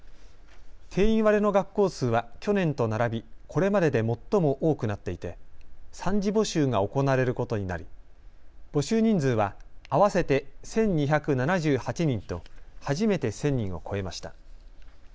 定員割れの学校数は去年と並びこれまでで最も多くなっていて３次募集が行われることになり募集人数は合わせて１２７８人と初めて１０００人を超えました。